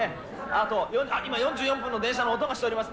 あと、今４４分の電車の音がしております。